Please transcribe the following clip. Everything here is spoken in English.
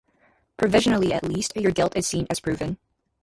Provisionally at least, your guilt is seen as proven.